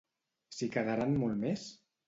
S'hi quedaran molt més?